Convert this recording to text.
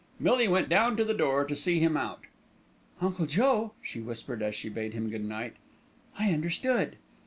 Millie went down to the door to see him out. "Uncle Joe," she whispered, as she bade him good night, "I understood."